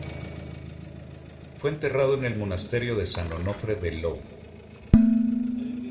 Fue enterrado en el monasterio de San Onofre de Lwów.